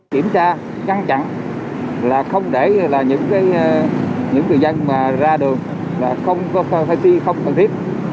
kiểm tra căng chẳng không để những người dân ra đường không có phai ti không cần thiết